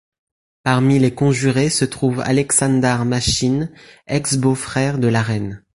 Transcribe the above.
Parmi les conjurés se trouve Aleksandar Mašin, ex-beau-frère de la reine.